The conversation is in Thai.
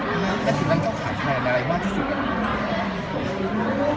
แล้วถึงนั้นต้องขาดแผนอะไรมากที่สุด